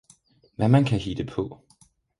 Hvad man kan hitte på!